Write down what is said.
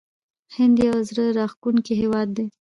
هند یو زړه راښکونکی هیواد دی.